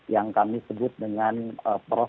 yang terdiri dari